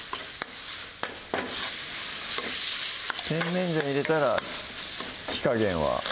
甜麺醤入れたら火加減は？